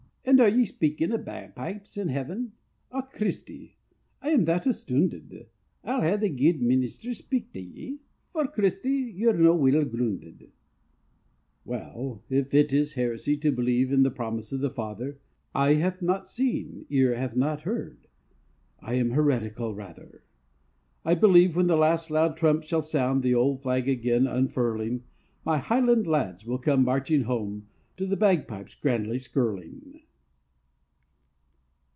"And are ye speaking o' bagpipes in Heaven? Ah, Christy, I'm that astoonded I'll hae the guid meenister speak tae ye, For, Christy, ye're no weel groonded." Well, if it is heresy to believe In the promise of the Father, "Eye hath not seen, ear hath not heard," I am heretical, rather. I believe when the last loud trump shall sound, The old flag again unfurling, My highland lads will come marching home To the bagpipes grandly skirling.